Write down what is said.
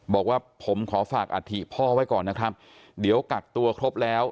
บอกว่าผมขอฝากอัฐิพ่อไว้ก่อนนะครับเดี๋ยวกักตัวครบแล้ว